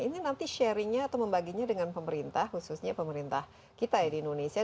ini nanti sharingnya atau membaginya dengan pemerintah khususnya pemerintah kita ya di indonesia